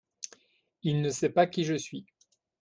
il ne sait pas qui je suis.